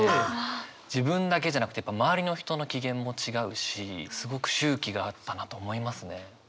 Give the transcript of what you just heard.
自分だけじゃなくてやっぱ周りの人の機嫌も違うしすごく周期があったなと思いますね。